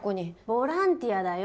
ボランティアだよ。